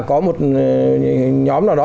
có một nhóm nào đó